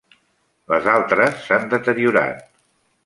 Les altres s'han deteriorat.